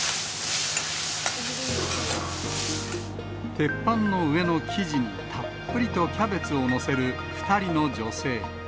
鉄板の上の生地にたっぷりとキャベツを載せる２人の女性。